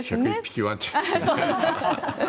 「１０１匹ワンちゃん」ですね。